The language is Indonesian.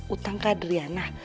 utang kak adriana